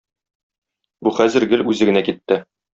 Бу хәзер гел үзе генә китте.